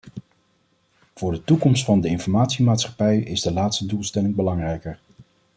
Voor de toekomst van de informatiemaatschappij is de laatste doelstelling belangrijker.